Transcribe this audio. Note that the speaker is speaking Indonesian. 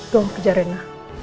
tunggu kejar rena